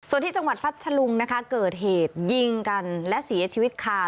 ส่วนที่จังหวัดพัทธลุงนะคะเกิดเหตุยิงกันและเสียชีวิตค่ะ